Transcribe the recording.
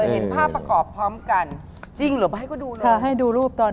จะเห็นภาพประกอบพร้อมกันจริงหรือเปล่าให้เขาดูเลยค่ะให้ดูรูปตอนนี้